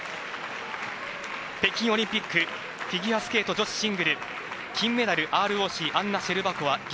北京オリンピックフィギュアスケート女子シングル金メダル、ＲＯＣアンナ・シェルバコワ。